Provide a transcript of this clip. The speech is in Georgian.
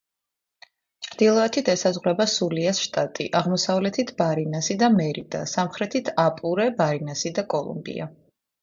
ჩრდილოეთით ესაზღვრება სულიას შტატი, აღმოსავლეთით ბარინასი და მერიდა, სამხრეთით აპურე, ბარინასი და კოლუმბია.